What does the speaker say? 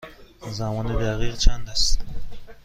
زمان دقیق چند است؟